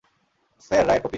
Sir, রায়ের copy.